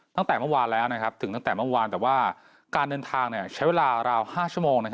ตั้งแต่เมื่อวานแล้วถึงตั้งแต่เมื่อวานแต่ว่าการเดินทางใช้เวลาราว๕ชั่วโมง